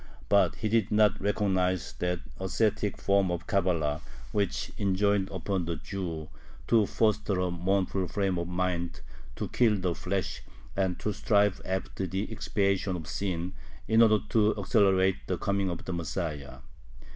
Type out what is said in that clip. But he did not recognize that ascetic form of Cabala which enjoined upon the Jew to foster a mournful frame of mind, to kill the flesh, and strive after the expiation of sin in order to accelerate the coming of the Messiah.